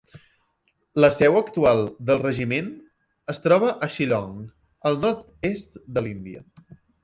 La seu actual del regiment es troba a Shillong, al nord-est de l'Índia.